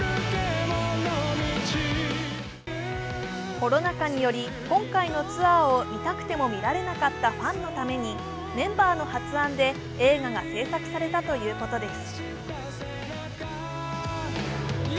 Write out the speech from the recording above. コロナ禍により今回のツアーを見たくても見られなかったファンのために、メンバーの発案で映画が製作されたということです。